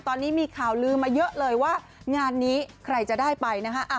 ตอนนี้มีข่าวลืมมาเยอะเลยว่างานนี้ใครจะได้ไปนะฮะ